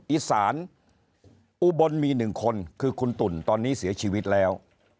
อีสานอุบลมี๑คนคือคุณตุ่นตอนนี้เสียชีวิตแล้ว